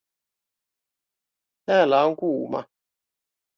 Täällä on kuuma